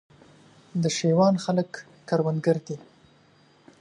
د شېوان خلک کروندګر دي